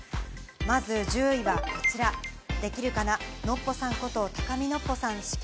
まず１０位はこちら『できるかな』、ノッポさんこと、高見のっぽさん死去。